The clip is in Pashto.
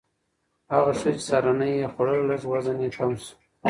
هغه ښځې چې سهارنۍ یې خوړله، لږ وزن یې کم شو.